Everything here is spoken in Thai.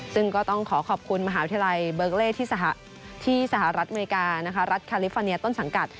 ซึ่งก็ต้องขอขอบคุณมหาวิทยาลัยเบิร์กเล่ที่สหรัฐอเมริกานะคะรัฐคาลิฟอร์เนียต้นสังกัด